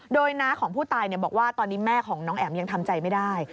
โดยน้าของผู้ตายบอกว่าตอนนี้แม่ของน้องแอ๋มยังทำใจไม่ได้